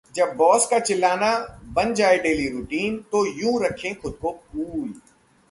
जब बॉस का चिल्लाना बन जाए डेली रूटीन, तो यूं रखें खुद को कूल